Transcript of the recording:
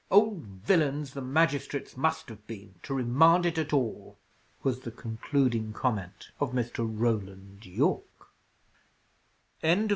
"Old villains the magistrates must have been, to remand it at all!" was the concluding comment of Mr. Roland Yorke. CHAPTER XXVI.